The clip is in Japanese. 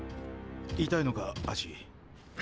痛いのか足？。